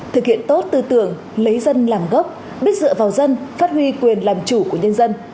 thực hiện tốt tư tưởng lấy dân làm gốc biết dựa vào dân phát huy quyền làm chủ của nhân dân